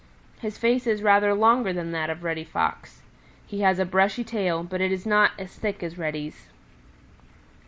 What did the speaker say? His face is rather longer than that of Reddy Fox. He has a brushy tail, but it is not as thick as Reddy's.